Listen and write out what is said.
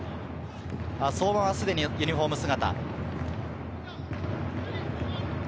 相馬はすでにユニホーム姿。